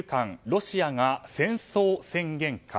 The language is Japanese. ロシアが戦争宣言か。